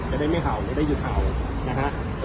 จะได้ไม่เห่าจะได้อยู่เห่านะครับ